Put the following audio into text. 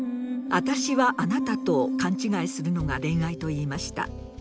“あたしはあなた”と勘違いするのが恋愛と言いました。